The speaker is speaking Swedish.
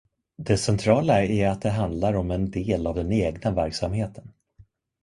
Det centrala är att det handlar om en del av den egna verksamheten.